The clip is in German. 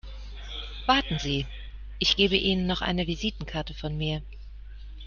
Warten Sie, ich gebe Ihnen noch eine Visitenkarte von mir.